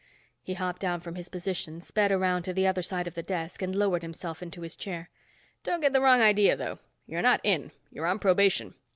He hopped down from his position, sped around to the other side of the desk and lowered himself into his chair. "Don't get the wrong idea, though. You're not in. You're on probation.